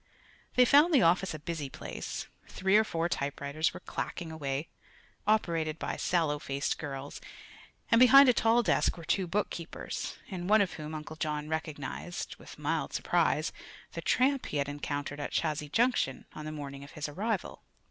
They found the office a busy place. Three or four typewriters were clicking away, operated by sallow faced girls, and behind a tall desk were two bookkeepers, in one of whom Uncle John recognized with mild surprise the tramp he had encountered at Chazy Junction on the morning of his arrival.